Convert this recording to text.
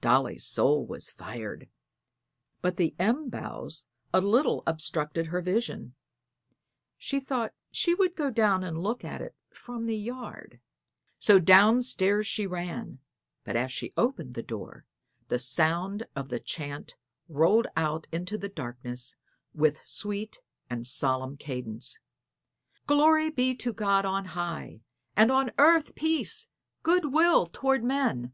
Dolly's soul was fired. But the elm boughs a little obstructed her vision; she thought she would go down and look at it from the yard. So down stairs she ran, but as she opened the door the sound of the chant rolled out into the darkness with sweet and solemn cadence: "_Glory be to God on high; and on earth peace, good will toward men.